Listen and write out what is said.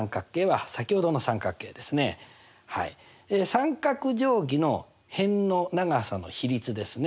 三角定規の辺の長さの比率ですね